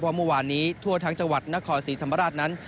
เมื่อวานนี้ทั่วทั้งจังหวัดนครศรีธรรมราชนั้น